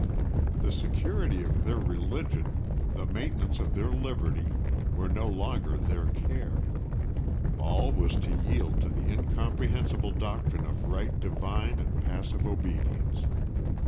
The security of their religion, the maintenance of their liberty, were no longer their care. All was to yield to the incomprehensible doctrine of right divine and passive obedience.